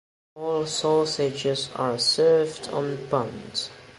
All sausages are served on buns.